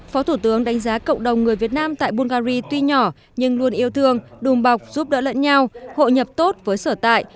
phó thủ tướng đánh giá cộng đồng người việt nam tại bungary tuy nhỏ nhưng luôn yêu thương đùm bọc giúp đỡ lẫn nhau hội nhập tốt với sở tại